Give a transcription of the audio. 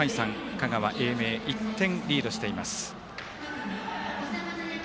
香川・英明１点リードしています。